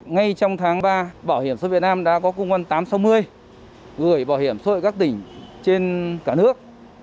ngay trong tháng ba bảo hiểm xã hội việt nam đã có công an tám trăm sáu mươi gửi bảo hiểm xã hội các tỉnh trên cả nước